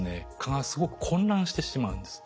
蚊がすごく混乱してしまうんです。